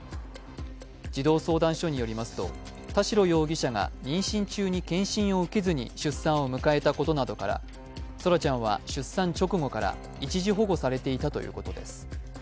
児童相談所によりますと、田代容疑者が妊娠中に健診を受けずに出産を迎えたことなどから、空来ちゃんは出産直後から一時保護されていたということです。